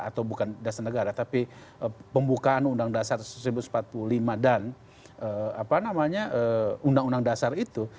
atau bukan dasar negara tapi pembukaan ud empat puluh lima dan ud itu